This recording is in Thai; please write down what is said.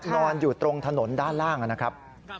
นอนอยู่ตรงถนนด้านล่างนะครับ